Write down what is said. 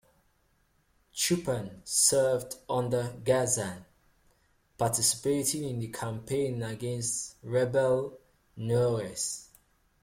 Chupan served under Ghazan, participating in the campaign against the rebel Nauruz.